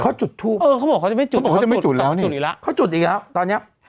เขาจุดทูบเออเขาบอกเขาจะไม่จุดแล้วเนี่ยเขาจุดอีกแล้วตอนเนี้ย